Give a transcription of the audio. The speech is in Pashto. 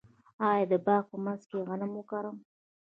آیا د باغ په منځ کې غنم وکرم؟